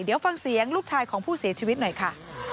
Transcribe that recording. เดี๋ยวฟังเสียงลูกชายของผู้เสียชีวิตหน่อยค่ะ